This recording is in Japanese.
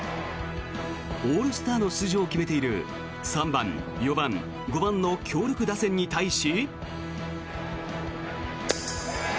オールスターの出場を決めている３番、４番、５番の強力打線に対し。